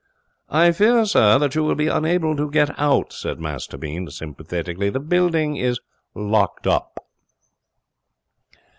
'I fear, sir, that you will be unable to get out,' said Master Bean, sympathetically. 'The building is locked up.'